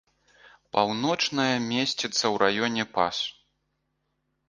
Паўночная месціцца ў раёне пас.